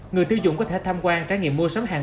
người tiêu dụng có thể tham quan trái nghiệm mua sắm hàng